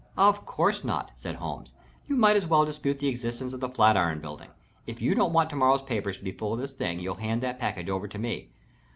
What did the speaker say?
"Of course not," said Holmes. "You might as well dispute the existence of the Flat iron Building. If you don't want to morrow's papers to be full of this thing you'll hand that package over to me."